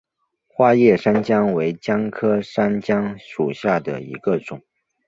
花叶山姜为姜科山姜属下的一个种。